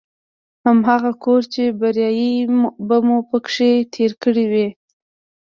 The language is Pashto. هماغه کور چې برايي به مو په کښې تېره کړې وه.